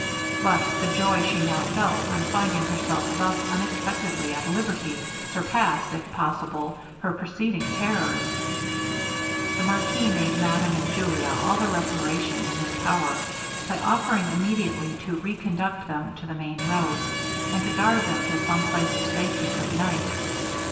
But the joy she now felt, on finding herself thus unexpectedly at liberty, surpassed, if possible, her preceding terrors. The marquis made madame and Julia all the reparation in his power, by offering immediately to reconduct them to the main road, and to guard them to some place of safety for the night.